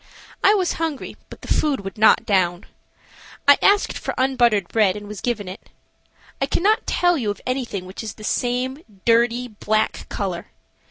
I was hungry, but the food would not down. I asked for unbuttered bread and was given it. I cannot tell you of anything which is the same dirty, black color.